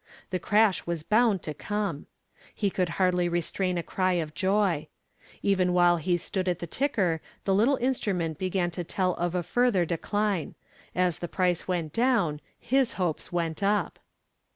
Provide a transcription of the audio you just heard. The crash was bound to come. He could hardly restrain a cry of joy. Even while he stood at the ticker the little instrument began to tell of a further decline. As the price went down his hopes went up.